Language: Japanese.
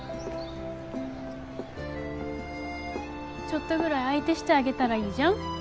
ちょっとぐらい相手してあげたらいいじゃん。